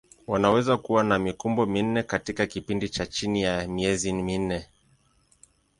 Wanaweza kuwa na mikumbo minne katika kipindi cha chini ya miezi minne.